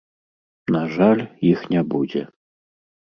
На жаль, іх не будзе.